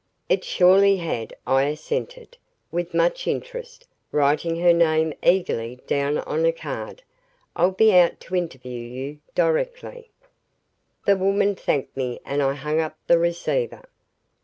"It surely had," I assented, with much interest, writing her name eagerly down on a card. "I'll be out to interview you, directly." The woman thanked me and I hung up the receiver.